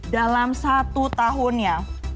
dalam satu tahunnya